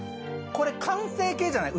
これ完成形じゃない？